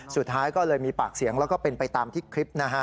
สุดท้ายก็เลยมีปากเสียงแล้วก็เป็นไปตามที่คลิปนะฮะ